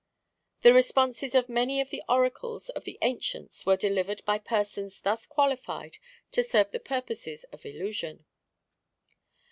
The responses of many of the oracles of the Ancients were delivered by persons thus qualified to serve the purposes of illusion.